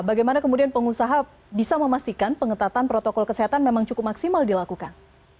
bagaimana kemudian pengusaha bisa memastikan pengetatan protokol kesehatan memang cukup maksimal dilakukan